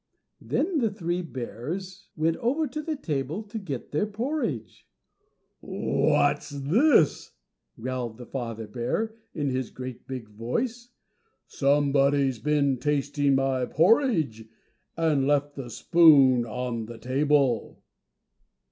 Then the three bears went over to the table to get their porridge. "WHAT'S THIS!" growled the father bear, in his great big voice, "SOMEBODY'S BEEN TASTING MY PORRIDGE, AND LEFT THE SPOON ON THE TABLE."